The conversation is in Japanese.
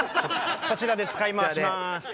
こちらで使い回します。